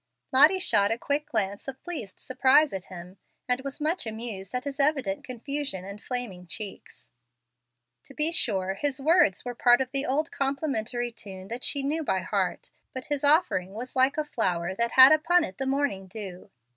Lottie shot a quick glance of pleased surprise at him, and was much amused at his evident confusion and flaming cheeks. To be sure his words were part of the old complimentary tune that she knew by heart, but his offering was like a flower that had upon it the morning dew.